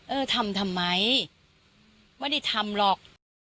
เออทำทำไมไม่ได้ทำหรอก